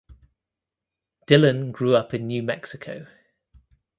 Dillen grew up in New Mexico.